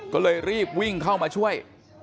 ก็เลยรีบวิ่งเข้ามาช่วย